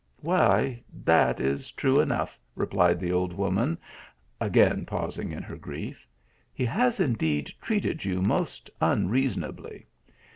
" Why, that is true enough," replied the old woman, again pausing in her grief" He has indeed treated you most unreasonably.